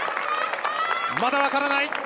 まだ分からない。